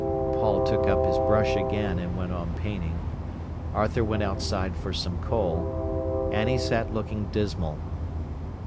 Paul took up his brush again and went on painting. Arthur went outside for some coal. Annie sat looking dismal.